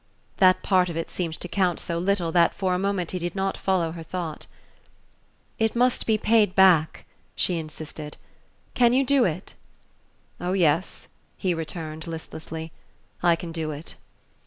That part of it seemed to count so little that for a moment he did not follow her thought. "It must be paid back," she insisted. "Can you do it?" "Oh, yes," he returned, listlessly. "I can do it."